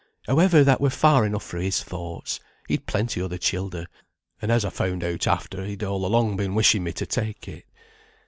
However, that were far enough fra' his thoughts; he'd plenty other childer, and as I found out at after he'd all along been wishing me to take it.